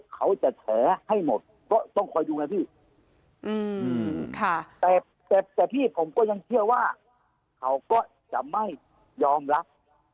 เขาจะแฉให้หมดก็ต้องคอยดูไงพี่แต่แต่พี่ผมก็ยังเชื่อว่าเขาก็จะไม่ยอมรับ